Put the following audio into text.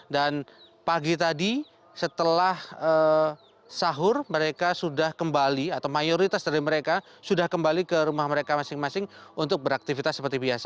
dan pagi tadi setelah sahur mereka sudah kembali atau mayoritas dari mereka sudah kembali ke rumah mereka masing masing untuk beraktivitas seperti biasa